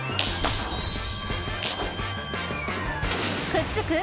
くっつく？